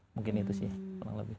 mungkin itu sih kurang lebih